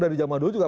dari zaman dulu juga